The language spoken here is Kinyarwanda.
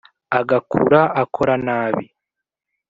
Agakura akora nabi